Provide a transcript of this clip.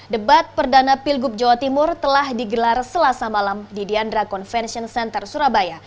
debat perdana pilgub jawa timur telah digelar selasa malam di diandra convention center surabaya